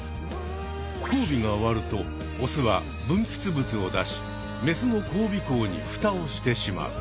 交尾が終わるとオスはぶんぴつぶつを出しメスの交尾口にフタをしてしまう。